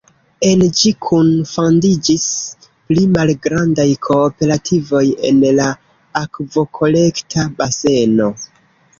En ĝi kunfandiĝis pli malgrandaj kooperativoj en la akvokolekta baseno.